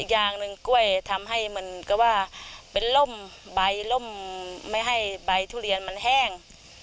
อย่างหนึ่งกล้วยทำให้เหมือนกับว่าเป็นล่มใบล่มไม่ให้ใบทุเรียนมันแห้ง